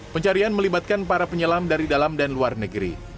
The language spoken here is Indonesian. pencarian melibatkan para penyelam dari dalam dan luar negeri